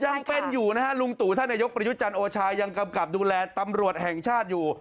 ยังเป็นอยู่นะฮะลุงตู่ท่านนายกประยุทธ์จันทร์โอชายังกำกับดูแลตำรวจแห่งชาติอยู่